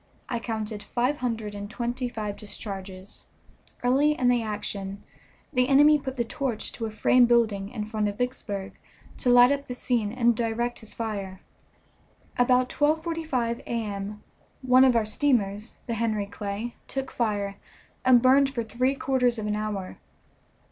I counted five hundred and twenty five discharges. Early in the action the enemy put the torch to a frame building in front of Vicksburg to light up the scene and direct his fire. About 12.45 A.M. one our steamers, the Henry Clay, took fire, and burned for three quarters of an hour.